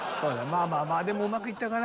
まあまあまあでもうまくいったかな。